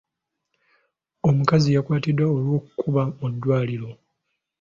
Omukazi yakwatiddwa olw'okubba mu ddwaliro.